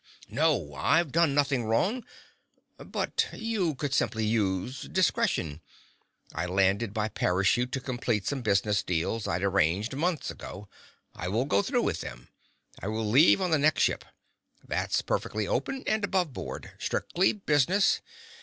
"No! I've done nothing wrong. But you could simply use discretion. I landed by parachute to complete some business deals I'd arranged months ago. I will go through with them. I will leave on the next ship. That's perfectly open and above board. Strictly business.